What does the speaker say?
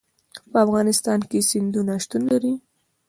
په افغانستان کې سیندونه شتون لري.